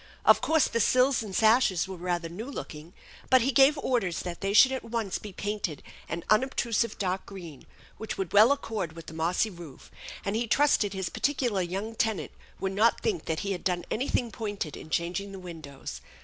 Of course the sills and sashes were rather new looking, but he gave orders that they should at once be painted an unobtrusive dark green which would well accord with the mossy roof, and he trusted his particular young tenant would not think that he had done anything pointed in changing the windows.